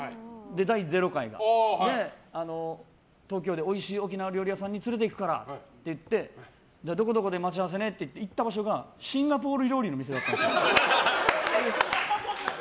第０回が東京でおいしいお店屋さんに連れていくからどこどこで待ち合わせねって言って行ったのがシンガポール料理の店だったんです。